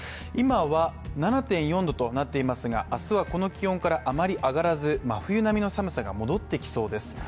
今は７．４度となっていますが明日はこの気温からあまり上がらず真冬並みの寒さが戻ってきそうです。